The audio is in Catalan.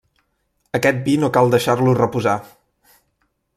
Aquest vi no cal deixar-lo reposar.